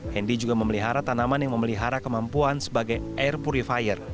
hendy juga memelihara tanaman yang memelihara kemampuan sebagai air purifier